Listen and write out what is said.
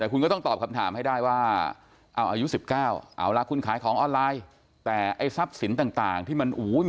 แต่คุณก็ต้องตอบคำถามให้ได้ว่าอายุ๑๙แล้วคุณขายของออนไลน์